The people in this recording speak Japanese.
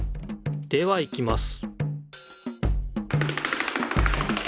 ではいきます